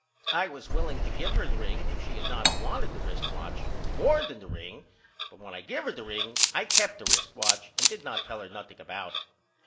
I was willing to give her the ring if she had not of wanted the rist watch more than the ring but when I give her the ring I kept the rist watch and did not tell her nothing about it.